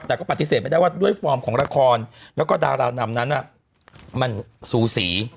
แต่ก็ปฏิเสธไม่ได้ว่าด้วยฟอร์มของละครแล้วก็ดารานำนั้นมันสูสี